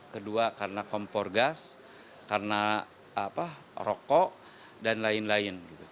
kedua karena kompor gas karena rokok dan lain lain